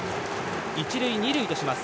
一塁二塁とします。